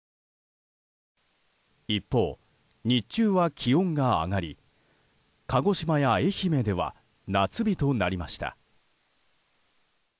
一方、日中は気温が上がり鹿児島や愛媛では夏日となりました。